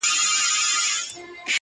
خوب مي وتښتي ستا خیال لکه غل راسي!